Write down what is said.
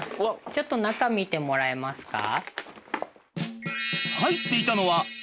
ちょっと中見てもらえますか？